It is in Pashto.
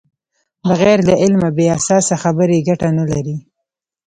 بغیر له علمه بې اساسه خبرې ګټه نلري.